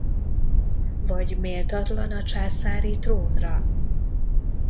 Vagy méltatlan a császári trónra?